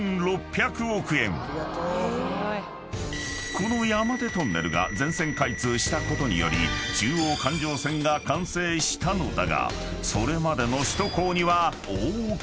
［この山手トンネルが全線開通したことにより中央環状線が完成したのだが］